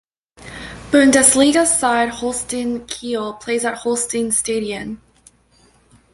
Bundesliga side Holstein Kiel plays at Holstein-Stadion.